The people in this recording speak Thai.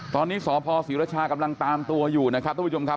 ตอนนี้สพศรีรชากำลังตามตัวอยู่นะครับทุกผู้ชมครับ